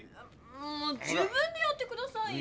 もう自分でやってくださいよ。